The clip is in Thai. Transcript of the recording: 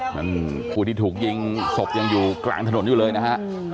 ผู้ที่ถูกยิงศพยังอยู่กลางถนนอยู่เลยนะฮะ